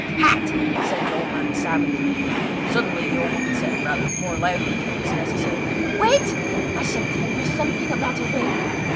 "Cat!" said the old man, savagely. Suddenly the old woman said, rather more loudly than was necessary: "Wait! I shall tell you something about a ring."